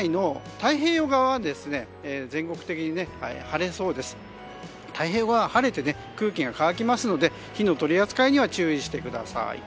太平洋側は晴れて空気が乾きますので火の取り扱いには注意してください。